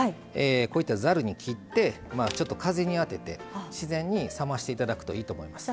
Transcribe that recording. こういったざるにきってちょっと風に当てて自然に冷まして頂くといいと思います。